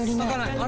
あれ？